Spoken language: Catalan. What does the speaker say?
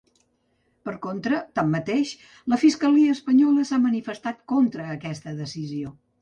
Per contra, tanmateix, la fiscalia espanyola s’ha manifestat contra aquesta decisió.